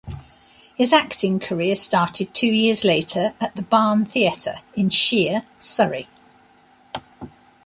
His acting career started two years later at the Barn Theatre in Shere, Surrey.